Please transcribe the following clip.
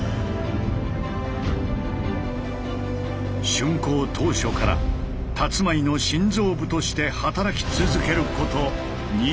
竣工当初からたつまいの心臓部として働き続けること２４年。